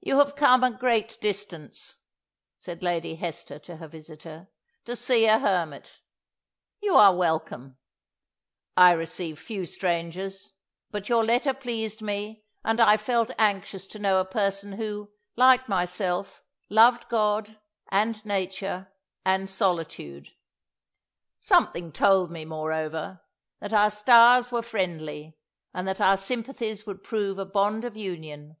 "You have come a great distance," said Lady Hester to her visitor, "to see a hermit; you are welcome, I receive few strangers, but your letter pleased me, and I felt anxious to know a person who, like myself, loved God, and nature, and solitude. Something told me, moreover, that our stars were friendly, and that our sympathies would prove a bond of union.